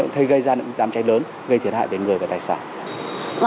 thay gây ra những cái đám cháy lớn gây thiệt hại đến người và tài sản